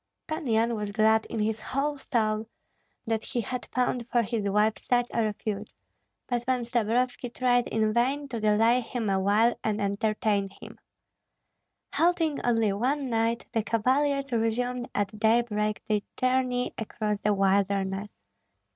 Pan Yan was glad in his whole soul that he had found for his wife such a refuge; but Pan Stabrovski tried in vain to delay him awhile and entertain him. Halting only one night, the cavaliers resumed at daybreak their journey across the wilderness.